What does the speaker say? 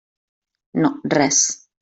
No, res.